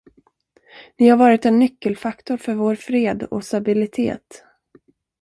Ni har varit en nyckelfaktor för vår fred och stabilitet.